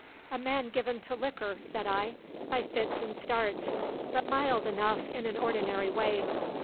"'A man given to liquor,' said I, 'by fits and starts; but mild enough in an ordinary way.